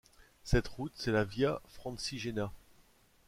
Cette route, c'est la Via Francigena.